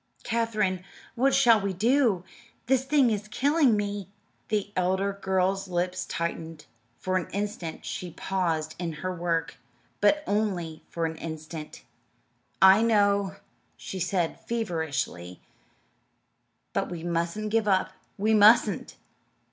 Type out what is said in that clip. "Katherine, what shall we do? This thing is killing me!" The elder girl's lips tightened. For an instant she paused in her work but for only an instant. "I know," she said feverishly; "but we mustn't give up we mustn't!"